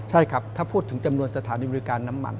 ใช่ครับถ้าพูดถึงจำนวนสถานีบริการน้ำมัน